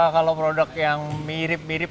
kalau produk yang mirip mirip atau terik